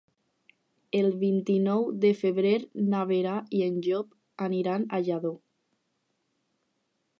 El vint-i-nou de febrer na Vera i en Llop aniran a Lladó.